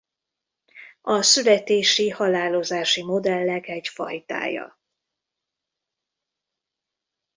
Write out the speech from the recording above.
A születési-halálozási modellek egy fajtája.